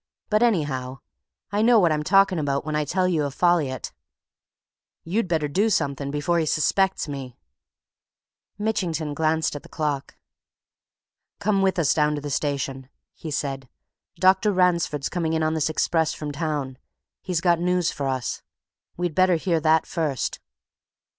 "But anyhow, I know what I'm talking about when I tell you of Folliot. You'd better do something before he suspects me." Mitchington glanced at the clock. "Come with us down to the station," he said. "Dr. Ransford's coming in on this express from town; he's got news for us. We'd better hear that first.